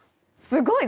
すごい！